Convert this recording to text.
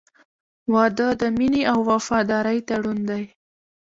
• واده د مینې او وفادارۍ تړون دی.